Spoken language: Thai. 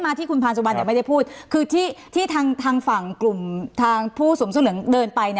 สามารถคุณผู้โบสถ์หวัญ